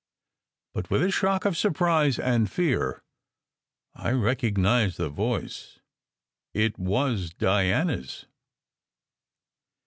But with a shock of surprise and fear, I recognized the voice: it was Diana s.